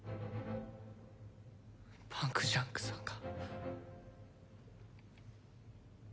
パンクジャックさんが？